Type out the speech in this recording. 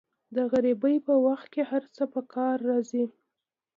د غریبۍ په وخت کې هر څه په کار راځي.